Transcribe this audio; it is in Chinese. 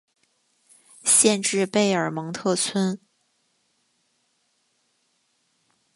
县治贝尔蒙特村。